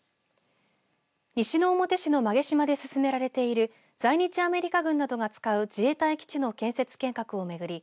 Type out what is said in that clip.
西之表市の馬毛島で進められている在日アメリカ軍などが使う自衛隊基地の建設計画を巡り